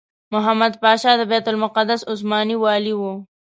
محمد پاشا د بیت المقدس عثماني والي وو.